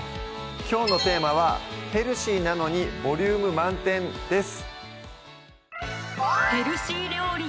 きょうのテーマは「ヘルシーなのにボリューム満点」です